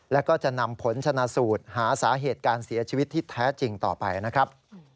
แล้วก็จะนำผลชนะสูตรหาสาเหตุการเสียชีวิตที่แท้จริงต่อไปนะครับ